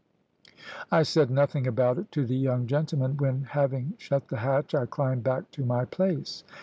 I said nothing about it to the young gentlemen when, having shut the hatch, I climbed back to my place.